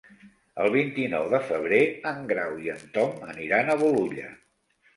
El vint-i-nou de febrer en Grau i en Tom aniran a Bolulla.